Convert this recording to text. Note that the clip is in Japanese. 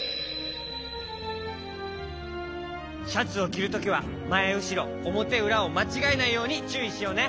シャツをきるときはまえうしろおもてうらをまちがえないようにちゅういしようね。